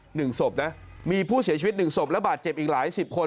หนึ่งศพนะมีผู้เสียชีวิตหนึ่งศพและบาดเจ็บอีกหลายสิบคน